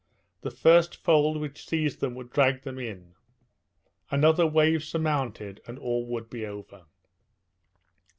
The first fold which seized them would drag them in another wave surmounted, and all would be over.